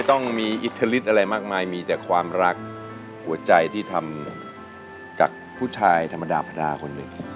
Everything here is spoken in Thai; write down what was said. ต้องมีอิทธิฤทธิอะไรมากมายมีแต่ความรักหัวใจที่ทำจากผู้ชายธรรมดาพระดาคนหนึ่ง